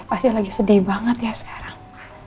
pasti lagi sedih banget ya sekarang